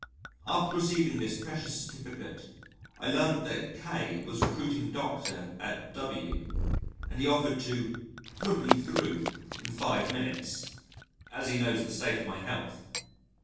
After receiving this precious certificate, I learnt that K was recruiting Doctor at W , and he offered to "put me thro' in five minutes," as he knows the state of my health.